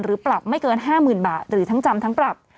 ปรับไม่เกิน๕๐๐๐บาทหรือทั้งจำทั้งปรับ